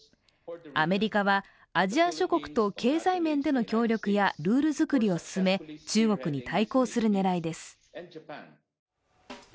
アメリカはアジア諸国と経済面での協力やルール作りを進め、中国に対抗する狙いです。